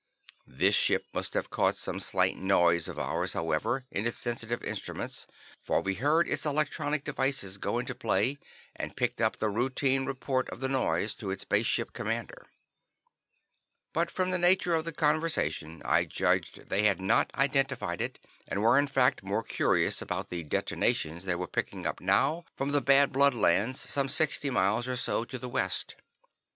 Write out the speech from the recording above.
This ship must have caught some slight noise of ours, however, in its sensitive instruments, for we heard its electronic devices go into play, and picked up the routine report of the noise to its Base Ship Commander. But from the nature of the conversation, I judged they had not identified it, and were, in fact, more curious about the detonations they were picking up now from the Bad Blood lands some sixty miles or so to the west.